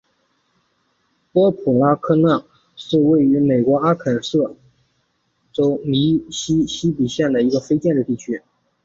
波普拉科纳是位于美国阿肯色州密西西比县的一个非建制地区。